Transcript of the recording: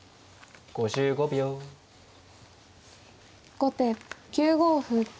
後手９五歩。